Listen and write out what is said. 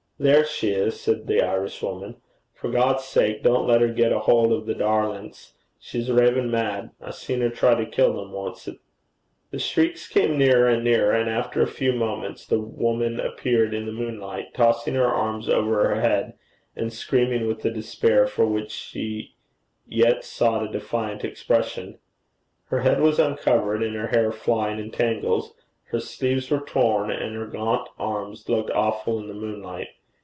'There she is!' said the Irishwoman. 'For God's sake don't let her get a hould o' the darlints. She's ravin' mad. I seen her try to kill them oncet.' The shrieks came nearer and nearer, and after a few moments the woman appeared in the moonlight, tossing her arms over her head, and screaming with a despair for which she yet sought a defiant expression. Her head was uncovered, and her hair flying in tangles; her sleeves were torn, and her gaunt arms looked awful in the moonlight.